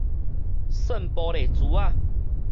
耍玻璃珠仔